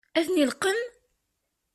Ad ten-ileqqem?